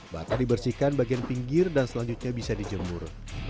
bahkan dibersihkan bagian pinggir dan selanjutnya bisa dijemur